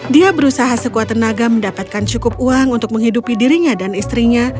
dia berusaha sekuat tenaga mendapatkan cukup uang untuk menghidupi dirinya dan istrinya